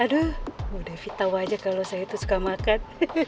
aduh bu devi tau aja kalo saya itu suka makan